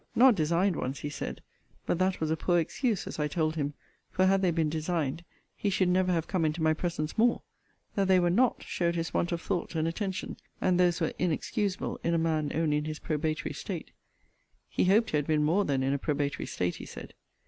Not designed ones, he said: but that was a poor excuse, as I told him: for, had they been designed, he should never have come into my presence more: that they were not, showed his want of thought and attention; and those were inexcusable in a man only in his probatory state. He hoped he had been more than in a probatory state, he said.